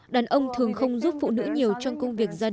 đàn ông thường không giúp phụ nữ nhiều trong công việc gia đình